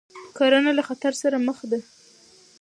کرنه له خطر سره مخ ده.